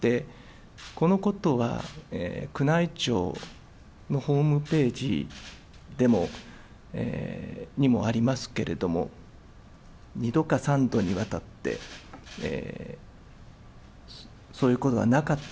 このことは、宮内庁のホームページにもありますけれども、２度か３度にわたって、そういうことはなかった。